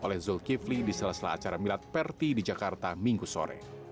oleh zulkifli di salah salah acara milad perti di jakarta minggu sore